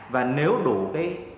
và nếu đủ cái